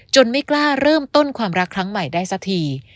ไม่กล้าเริ่มต้นความรักครั้งใหม่ได้สักที